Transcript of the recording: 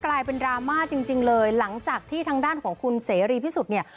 กลายเป็นดราม่าจริงจริงเลยหลังจากที่ทางด้านของคุณเสรีพิสุทธิ์เนี่ย